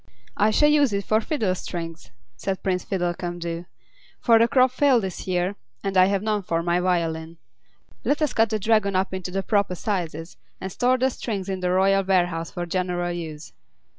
"I shall use it for fiddle strings," said Prince Fiddlecumdoo, "for the crop failed this year, and I have none for my violin. Let us cut the Dragon up into the proper sizes, and store the strings in the royal warehouse for general use."